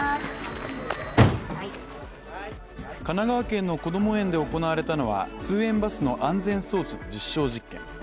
神奈川県のこども園で行われたのは、通園バスの安全装置の実証実験。